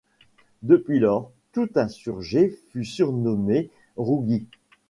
Depuis lors, tout insurgé, fut surnommé Rougui.